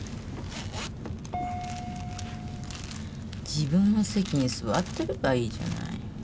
自分の席に座ってればいいじゃない。